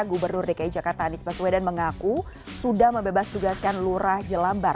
gubernur dki jakarta anies baswedan mengaku sudah membebas tugaskan lurah jelambar